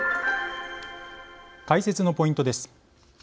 解説のポイントです。